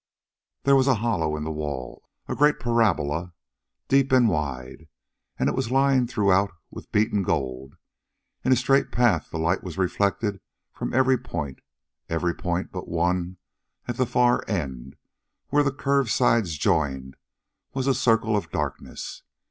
There was a hollow in the wall, a great parabola, deep and wide, and it was lined throughout with beaten gold. In a straight path the light was reflected from every point every point but one for at the far end, where the curved sides joined, was a circle of darkness.